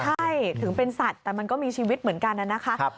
ใช่ถึงเป็นสัตว์แต่มันก็มีชีวิตเหมือนกันนะคะ